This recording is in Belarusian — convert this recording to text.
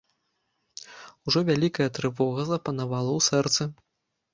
Ужо вялікая трывога запанавала ў сэрцы.